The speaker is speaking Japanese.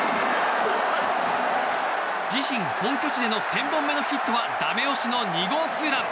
自身、本拠地での１０００本目のヒットはダメ押しの２号ツーラン。